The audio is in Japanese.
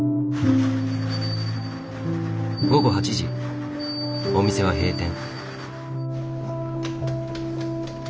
午後８時お店は閉店。